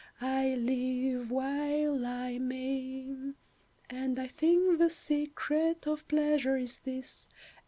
I live while I may, "And I think the secret of pleasure is this.